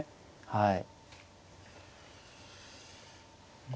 はい。